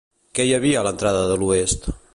Què hi havia a l'entrada de l'oest?